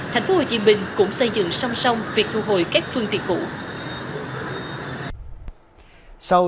tp hcm cũng xây dựng song song việc thu hồi các phương tiện cũ